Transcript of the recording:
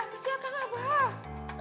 ada apa sih akang abah